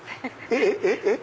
えっ？えっ？